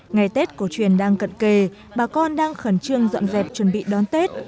ngày tết cổ truyền đang cận kề bà con đang khẩn trương dọn dẹp chuẩn bị đón tết